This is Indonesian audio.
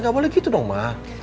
gak boleh gitu dong mah